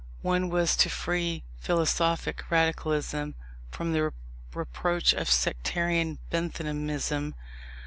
One was to free philosophic radicalism from the reproach of sectarian Benthamism.